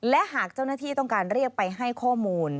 และหากเจ้าหน้าที่ต้องการเรียกไปให้ข้อมูล